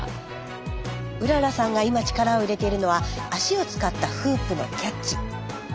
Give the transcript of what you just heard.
うららさんが今力を入れているのは足を使ったフープのキャッチ。